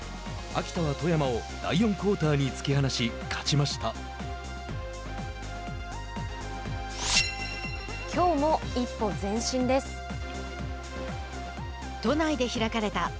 秋田は富山を第４クオーターに突き放し勝ちました。